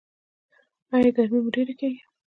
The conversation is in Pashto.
ایا ګرمي مو ډیره کیږي؟